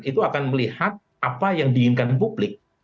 itu akan melihat apa yang diinginkan publik